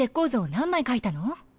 何枚描いたの？